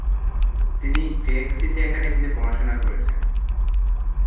তিনি Greg City একাডেমিতে পড়াশোনা করেছেন।